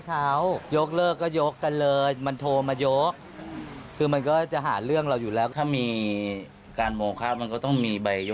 จะยกเลิกจะทำกันหรือไม่ทำหรืออะไรอย่างนี้